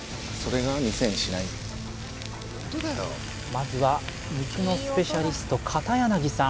まずは肉のスペシャリスト片柳さん